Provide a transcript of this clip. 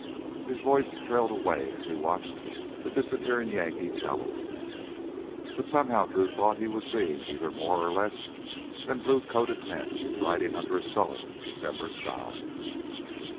His voice trailed away as he watched the disappearing Yankee cavalrymen, but somehow Drew thought he was seeing either more or less than blue coated men riding under a sullen December sky.